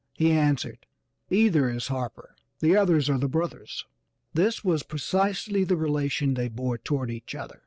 He answered, "Either is Harper, the others are the brothers." This was precisely the relation they bore toward each other.